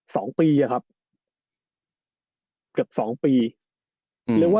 สองปีอะครับเกือบสองปีอืม